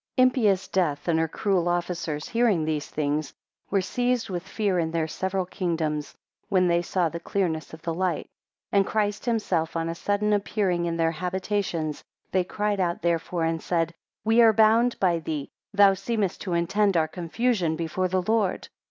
IMPIOUS death and her cruel officers hearing these things, were seized with fear in their several kingdoms, when they saw the clearness of the light, 2 And Christ himself on a sudden appearing in their habitations, they cried out therefore, and said, We are bound by thee; thou seemest to intend our confusion before the Lord.